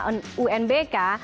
kita akan berbicara tentang itu ya